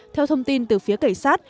theo thông tin từ phía cảnh sát